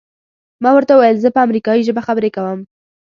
ما ورته وویل زه په امریکایي ژبه خبرې کوم.